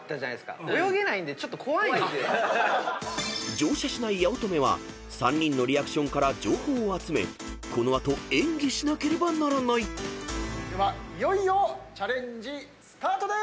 ［乗車しない八乙女は３人のリアクションから情報を集めこの後演技しなければならない］ではいよいよチャレンジスタートです！